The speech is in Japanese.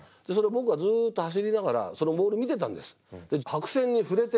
僕がずっと走りながらそのボール見てたんです。